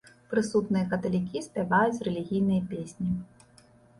Прысутныя каталікі спяваюць рэлігійныя песні.